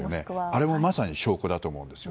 あれもまさに証拠だと思います。